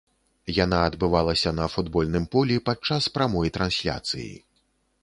Яна адбывалася на футбольным полі падчас прамой трансляцыі.